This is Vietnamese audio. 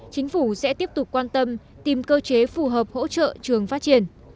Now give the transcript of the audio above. chính phủ sẽ tiếp tục quan tâm tìm cơ chế phù hợp hỗ trợ trường phát triển